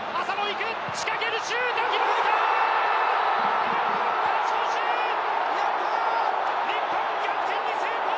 行く仕掛ける、シュート決まった！